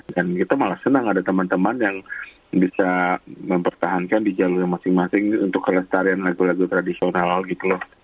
dan kita malah senang ada teman teman yang bisa mempertahankan di jalur masing masing untuk kelestarian lagu lagu tradisional gitu loh